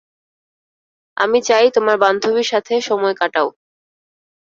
আমি চাই তোমার বান্ধবীর সাথে সময় কাটাও।